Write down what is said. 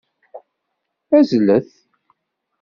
Azzlet!